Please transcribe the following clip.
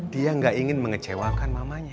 dia gak ingin mengecewakan mamanya